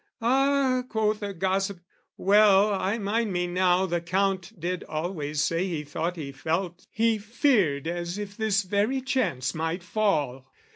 "Ah," quoth a gossip, "well I mind me now, "The Count did always say he thought he felt "He feared as if this very chance might fall!